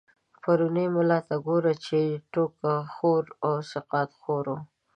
پرو ني ملا ته ګوره، چی ټو ک خور و سقا ط خورو